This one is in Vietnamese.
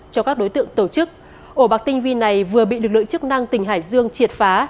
cho các đối tượng tổ chức ổ bạc tinh vi này vừa bị lực lượng chức năng tỉnh hải dương triệt phá